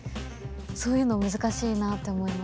そういうの難しいなって思います。